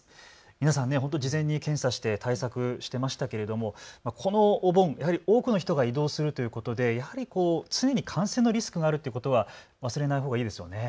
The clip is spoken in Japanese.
皆さん、事前に検査して対策していましたけどもこのお盆、多くの人が移動するということで常に感染のリスクがあるということは忘れないほうがいいですね。